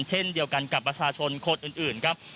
เช่นเดียวกันกับประชาชนคนอื่นครับ